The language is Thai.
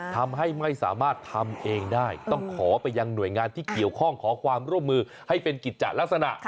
ทำให้ไม่สามารถทำเองได้ต้องขอไปยังหน่วยงานที่เกี่ยวข้องขอความร่วมมือให้เป็นกิจจัดลักษณะ